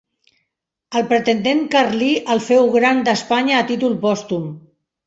El pretendent carlí el féu gran d'Espanya a títol pòstum.